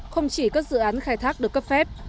không chỉ các dự án khai thác được cấp phép